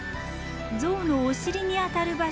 象のお尻にあたる場所